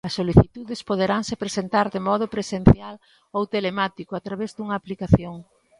As solicitudes poderanse presentar de modo presencial ou telemático a través dunha aplicación.